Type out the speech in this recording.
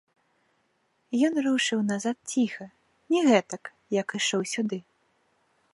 Ён рушыў назад ціха, не гэтак, як ішоў сюды.